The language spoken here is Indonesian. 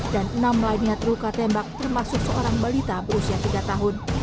dan enam lainnya terluka tembak termasuk seorang balita berusia tiga tahun